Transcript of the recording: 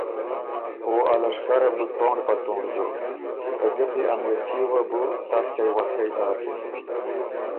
او ا لشکره بُو تونړ په تونړ دوک، ته ګپی ا مِرچي وه بو تسکئ وسکئ داکِن،